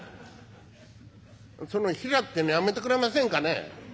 「その平ってえのやめてくれませんかね？」。